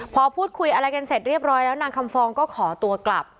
พอพูดคุยอะไรกันเสร็จเรียบร้อยแล้วนางคำฟองก็ขอตัวกลับ